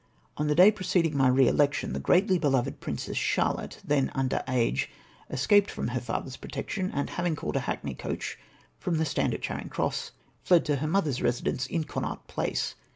On the day preceding my re election, the greatly beloved Princess Charlotte, then under age, escaped from her father's protection, and, having called a hackney coach from the stand at Charing Cross, fled to her mother's residence in Connaught Place.